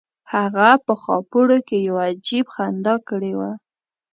هغه په خاپوړو کې یو عجیب خندا کړې وه